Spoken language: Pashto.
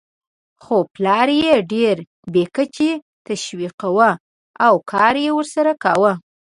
خو پلار یې ډېر بې کچې تشویقاوو او کار یې ورسره کاوه.